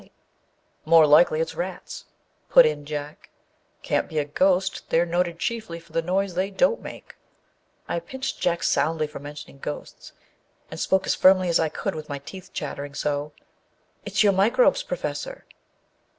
The Ghost in the Red Shirt 125 " More likely it's rats/' put in Jack. " Can't be a ghost â they're noted chiefly for the noise they don't make." I pinched Jack soundly for mentioning ghosts, and spoke as firmly as I could with my teeth chattering so, â " It's your microbes, Professor."